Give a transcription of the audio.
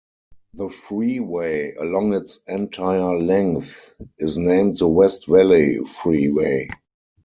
The freeway, along its entire length, is named the West Valley Freeway.